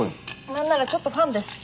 なんならちょっとファンです。